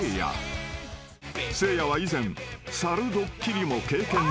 ［セイヤは以前猿ドッキリも経験済み］